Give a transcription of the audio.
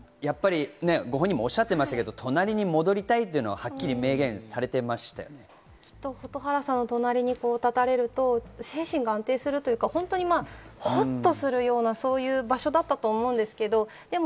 ご本人もおっしゃっていましたが、隣に戻りたいと明言されてました蛍原さんの隣に立たれると精神が安定するというか、ホッとするような場所だったと思うんですけれども。